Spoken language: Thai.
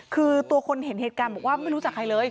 คือตัวคนเห็นเหตุการณ์บอกว่าไม่รู้จักใครเลย